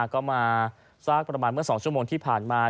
ก็มาสักประมาณเมื่อ๒ชั่วโมงที่ผ่านมา